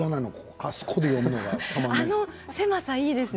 あの狭さがいいですね。